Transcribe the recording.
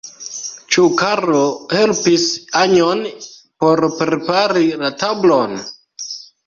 Ĉu Karlo helpis Anjon por prepari la tablon?